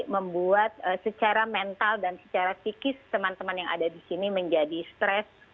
membuat secara mental dan secara psikis teman teman yang ada di sini menjadi stres